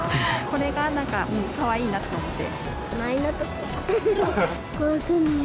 これがなんかかわいいなと思って。